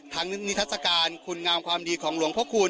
ทั้งนิทัศน์การคุณงามความดีของหลวงพ่อคูณ